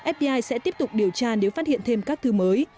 fdi sẽ tiếp tục điều tra nếu phát hiện thêm các thư mới